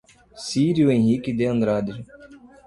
Cirio Henrique de Andrade